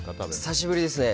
久しぶりですね。